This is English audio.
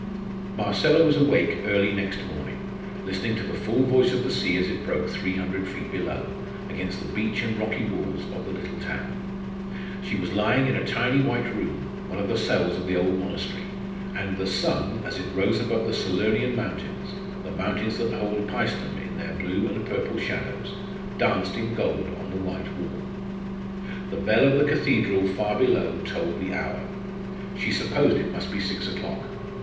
Marcella was awake early next morning, listening to the full voice of the sea as it broke three hundred feet below, against the beach and rocky walls of the little town. She was lying in a tiny white room, one of the cells of the old monastery, and the sun as it rose above the Salernian mountains the mountains that hold Paestum in their blue and purple shadows danced in gold on the white wall. The bell of the cathedral far below tolled the hour. She supposed it must be six o'clock.